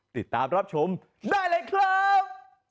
ติดตามรับชมได้เลยครับ